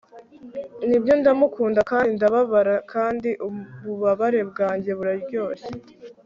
Nibyo ndamukunda kandi ndababara kandi ububabare bwanjye buraryoshye